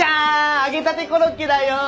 揚げたてコロッケだよ！